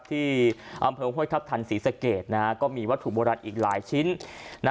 ที่อำเภอห้วยทัพทันศรีสะเกดก็มีวัตถุโบราณอีกหลายชิ้น